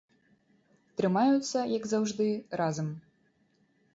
Трымаюцца, як заўжды, разам.